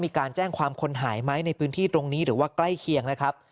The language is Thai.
มีการแจ้งความคนหายไหมในพื้นที่ตรงนี้หรือว่าใกล้เคียงนะครับ